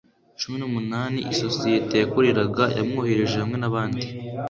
cumi n'umunani, isosiyete yakoreraga yamwohereje hamwe n'abandi